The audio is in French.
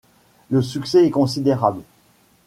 Le succès est considérable.